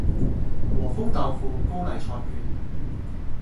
和風豆腐高麗菜卷